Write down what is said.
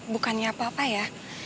bukannya apa apa ya